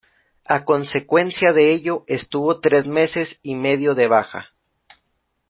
A consecuencia de ello, estuvo tres meses y medio de baja.